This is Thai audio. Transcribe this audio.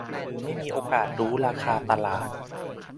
หรือไม่มีโอกาสรู้ราคาตลาด